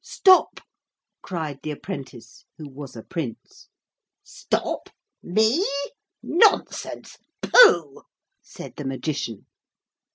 'Stop,' cried the apprentice, who was a Prince. 'Stop? Me? Nonsense! Pooh!' said the Magician.